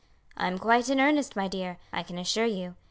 "I am quite in earnest, my dear, I can assure you.